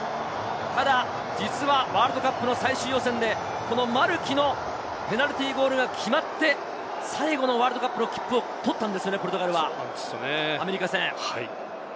ただ実はワールドカップの最終予選でマルキのペナルティーゴールが決まって、最後のワールドカップの切符を取ったんですよね、ポルトガルは、アメリカ戦。